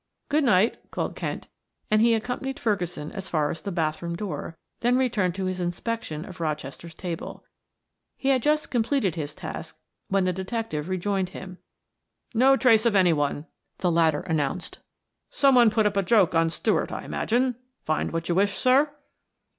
"Good night," called Kent, and he accompanied Ferguson as far as the bathroom door, then returned to his inspection of Rochester's table. He had just completed his task when the detective rejoined him. "No trace of any one," the latter announced. "Some one put up a joke on Stuart, I imagine. Find what you wished, sir?"